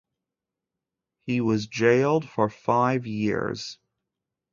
He was jailed for five years.